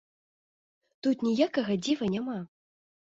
Тут ніякага дзіва няма!